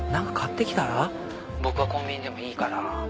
僕はコンビニでもいいから。